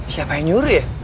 siapa yang nyuruh ya